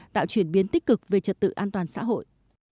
tạo chuyển biến tích cực về trật tự an toàn xã hội